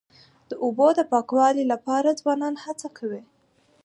د اوبو د پاکوالي لپاره ځوانان هڅې کوي.